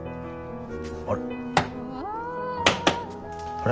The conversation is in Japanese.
あれ？